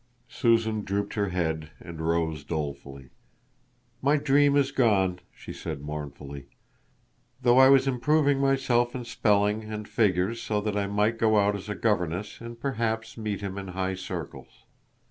Susan drooped her head and rose dolefully. "My dream is gone," she said mournfully, "though I was improving myself in spelling and figures so that I might go out as a governess and perhaps meet him in high circles."